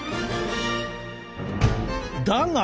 だが！